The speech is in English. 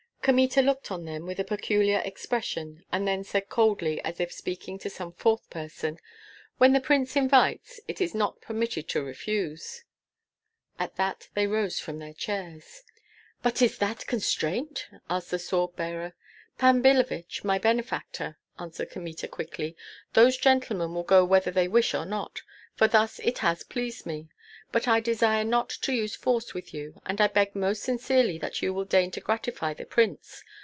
Kmita looked on them with a peculiar expression, and then said coldly, as if speaking to some fourth person, "When the prince invites, it is not permitted to refuse." At that they rose from their chairs. "But is that constraint?" asked the sword bearer. "Pan Billevich, my benefactor," answered Kmita, quickly, "those gentlemen will go whether they wish or not, for thus it has pleased me; but I desire not to use force with you, and I beg most sincerely that you will deign to gratify the prince.